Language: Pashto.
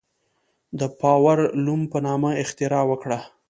د پاور لوم په نامه اختراع وکړه.